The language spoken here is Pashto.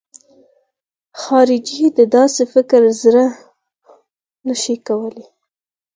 خارجي د داسې فکر زړه نه شي کولای.